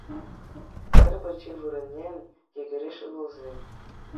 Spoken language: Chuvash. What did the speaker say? Хӗр пӗрчи вырӑнне — йӗкӗреш ывӑлсем